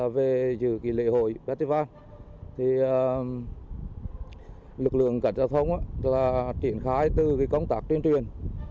về lễ hội lực lượng cảnh giao thông triển khai từ công tác trên truyền